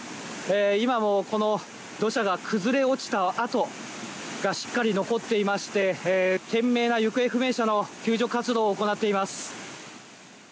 今もこの土砂が崩れ落ちた跡がしっかり残っていまして懸命な行方不明者の救助活動を行っています。